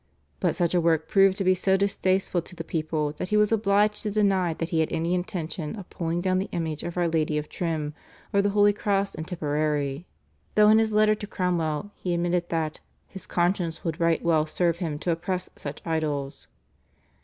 But such a work proved to be so distasteful to the people that he was obliged to deny that he had any intention of pulling down the image of Our Lady of Trim or the Holy Cross in Tipperary, though in his letter to Cromwell he admitted that "his conscience would right well serve him to oppress such idols."